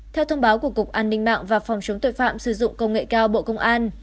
theo thông báo của cục an ninh mạng và phòng chống tội phạm sử dụng công nghệ cao bộ công an